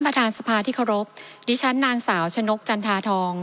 ประธานสภาที่เคารพดิฉันนางสาวชนกจันทาทอง